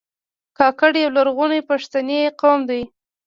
کاکړ یو لرغونی پښتنی قوم دی.